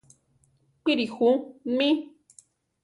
Píri ju mí?